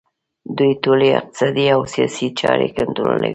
دوی ټولې اقتصادي او سیاسي چارې کنټرولوي